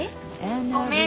ごめん。